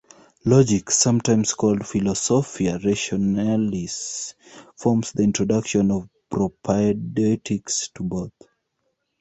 Logic, sometimes called "philosophia rationalis", forms the introduction or propaedeutics to both.